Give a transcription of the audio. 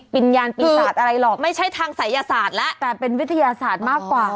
วิญญาณปีศาจอะไรหรอกไม่ใช่ทางศัยศาสตร์แล้วแต่เป็นวิทยาศาสตร์มากกว่า